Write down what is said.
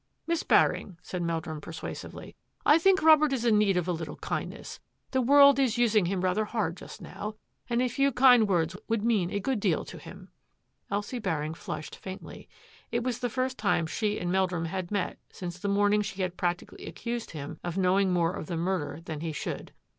" Miss Baring," said Meldrum persuasively, " I think Robert is in need of a little kindness. The world is using him rather hard just now, and a few kind words would mean a good deal to him." Elsie Baring flushed faintly. It was the first time she and Meldrum had met since the morning she had practically accused him of knowing more of the murder than he should.